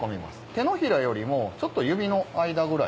手のひらよりもちょっと指の間ぐらい。